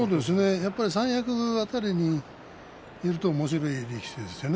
やっぱり三役辺りにいるとこの人はおもしろいですよね。